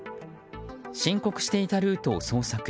申告していたルートを捜索。